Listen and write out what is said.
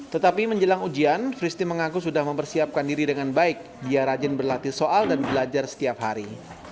tetapi menjelang ujian christi mengaku sudah mempersiapkan diri dengan baik dia rajin berlatih soal dan belajar setiap hari